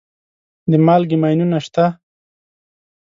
د مالګې ماینونه شته.